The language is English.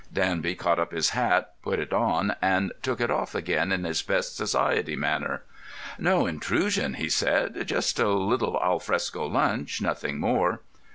Danby caught up his hat, put it on, and took it off again in his best society manner. "No intrusion," he said. "Just a little al fresco lunch, nothing more."